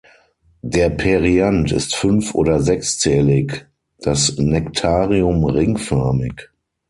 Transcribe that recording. Der Perianth ist fünf- oder sechszählig, das Nektarium ringförmig.